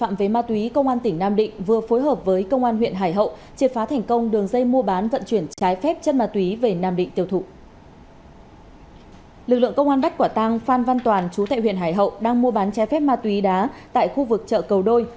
chú tại huyện hải hậu đang mua bán trái phép ma túy đá tại khu vực chợ cầu đôi